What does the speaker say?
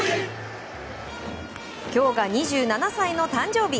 今日が２７歳の誕生日